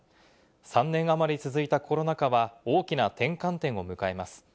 ３年あまり続いたコロナ禍は大きな転換点を迎えます。